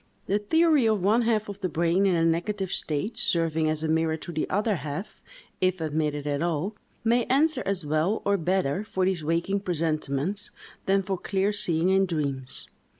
The theory of one half of the brain in a negative state, serving as a mirror to the other half, if admitted at all, may answer as well, or better, for these waking presentiments, than for clear seeing in dreams.